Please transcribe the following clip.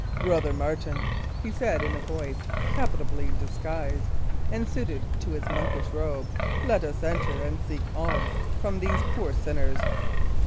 "Brother Martin," he said, in a voice capitally disguised, and suited to his monkish robe, "let us enter and seek alms from these poor sinners.